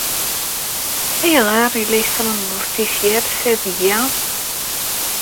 Ayɣer ay la trennuḍ tifyar s adeg-a?